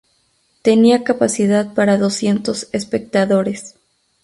Tenía capacidad para doscientos espectadores.